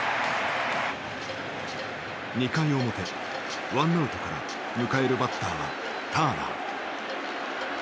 ２回表ワンアウトから迎えるバッターはターナー。